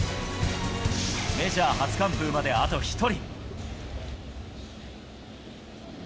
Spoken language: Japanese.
メジャー初完封まであと１人。